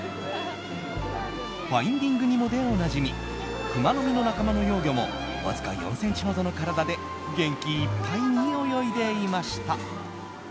「ファインディング・ニモ」でおなじみクマノミの仲間の幼魚もわずか４ｃｍほどの体で元気いっぱいに泳いでいました。